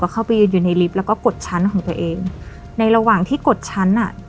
เข้าไปยืนอยู่ในลิฟต์แล้วก็กดชั้นของตัวเองในระหว่างที่กดชั้นอ่ะ